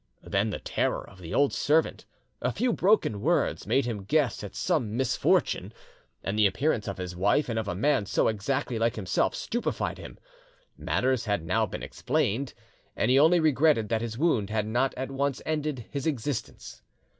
Then the terror of the old servant, a few broken words, made him guess at some misfortune, and the appearance of his wife and of a man so exactly like himself stupefied him. Matters had now been explained, and he only regretted that his wound had not at once ended his existence.